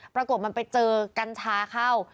ปรากฏมันไปเจอกัญชาเข้า